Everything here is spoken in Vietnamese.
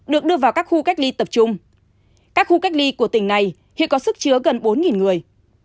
được đưa vào các khu cách ly tập trung các khu cách ly của tỉnh này hiện có sức chứa gần bốn người